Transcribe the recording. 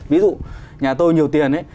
ví dụ nhà tôi nhiều tiền